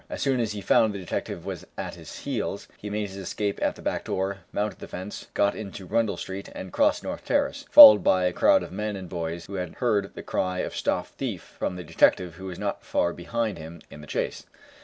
As soon as he found the detective was at his heels, he made his escape at the back door, mounted the fence, got into Rundle street, and crossed North Terrace, followed by a crowd of men and boys who had heard the cry of "stop thief" from the detective who was not far behind him in the chase.